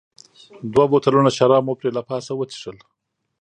دوه بوتلونه شراب مو پرې له پاسه وڅښل.